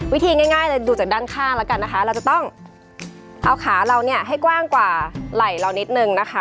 วิธีง่ายเลยดูจากด้านข้างแล้วกันนะคะเราจะต้องเอาขาเราเนี่ยให้กว้างกว่าไหล่เรานิดนึงนะคะ